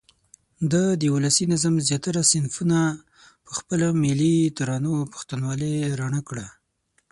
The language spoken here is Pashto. ده د ولسي نظم زیاتره صنفونه په خپلو ملي ترانو او پښتونوالې راڼه کړه.